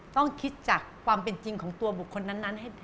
ต้องคิดจากความเป็นจริงของตัวบุคคลนั้นให้